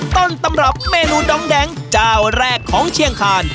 ต้นตำรับเมนูดองแดงเจ้าแรกของเชียงคาน